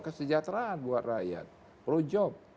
kesejahteraan buat rakyat pro job